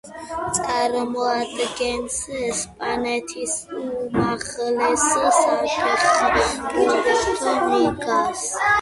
წარმოადგენს ესპანეთის უმაღლეს საფეხბურთო ლიგას.